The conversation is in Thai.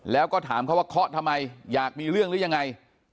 แล้วก็ถามเขาว่าเคาะทำไมอยากมีเรื่องหรือยังไง